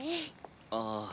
ああ。